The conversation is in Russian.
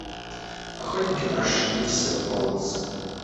Охотники прошли всё болотце.